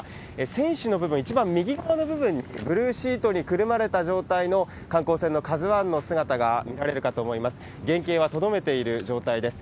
船首の部分、一番右側の部分に、ブルーシートにくるまれた状態の観光船のＫＡＺＵＩの姿が見られるかと思います。